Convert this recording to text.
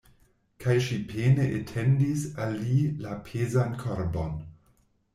Kaj ŝi pene etendis al li la pezan korbon.